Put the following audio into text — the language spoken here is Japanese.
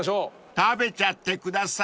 ［食べちゃってください］